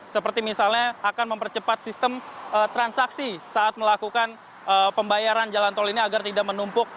seperti misalnya akan mempercepat sistem transaksi saat melakukan pembayaran jalan tol ini agar tidak menumpuk